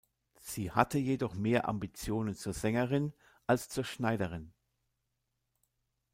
Sie hatte jedoch mehr Ambitionen zur Sängerin als zur Schneiderin.